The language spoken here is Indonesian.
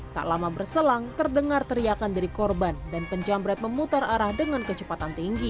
tak lama berselang terdengar teriakan dari korban dan penjamret memutar arah dengan kecepatan tinggi